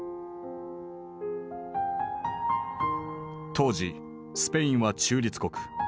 当時スペインは中立国。